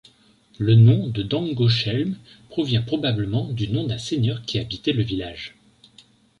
Le nom de Dangolsheim provient probablement du nom d'un seigneur qui habitait le village.